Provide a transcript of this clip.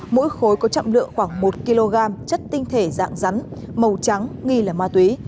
mỗi khối có trọng lượng khoảng một kg chất tinh thể dạng rắn màu trắng nghi là ma túy